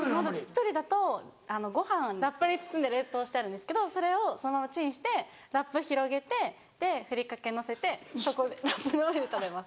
１人だとご飯ラップに包んで冷凍してあるんですけどそれをそのままチンしてラップ広げてふりかけのせてそこでラップの上で食べます。